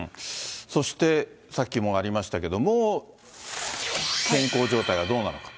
そして、さっきもありましたけれども、健康状態がどうなのか。